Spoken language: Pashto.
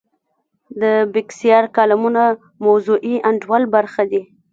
د بېکسیار کالمونه موضوعي انډول برخه دي.